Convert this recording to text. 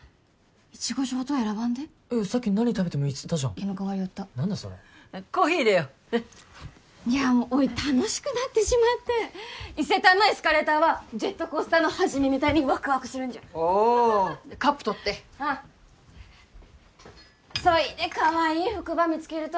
イチゴショート選ばんでえっさっき何食べてもいいっつったじゃん気の変わりよった何だそれコーヒーいれよういやおい楽しくなってしまって伊勢丹のエスカレーターはジェットコースターのはじめみたいにワクワクするんじゃおおカップ取ってああそいでかわいい服ば見つけると